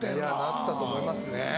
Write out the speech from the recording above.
なったと思いますね。